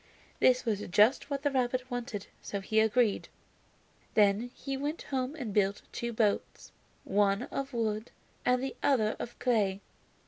This was just what the rabbit wanted, so he agreed. Then he went home and built two boats, one of wood and the other of clay.